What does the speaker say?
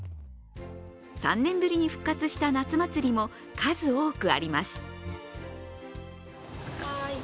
３年ぶりに復活した夏祭りも数多くあります。